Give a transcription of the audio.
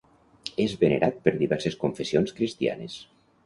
És venerat per diverses confessions cristianes.